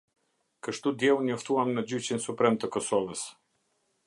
Kështu dje u njoftuam në Gjyqin Suprem të Kosovës.